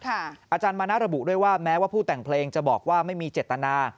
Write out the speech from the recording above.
อาจารย์มานะระบุด้วยว่าแม้ว่าผู้แต่งเพลงจะบอกว่าไม่มีเจตนา